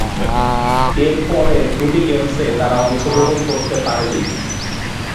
এর পরের দুটি গেমসে তারা অংশগ্রহণ করতে পারেনি।